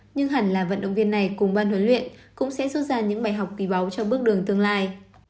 nhưng hẳn là vận động viên này cùng ban huấn luyện cũng sẽ rút ra những bài học kỳ bóng cho bước đường tương lai